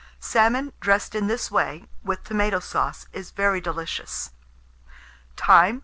Salmon dressed in this way, with tomato sauce, is very delicious. Time.